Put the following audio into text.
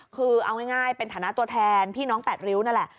คือเอาง่ายเป็นฐานะตัวแทนพี่น้อง๘ริ้วนั่นแหละ